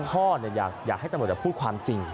พ่ออยากให้ตำรวจพูดความจริง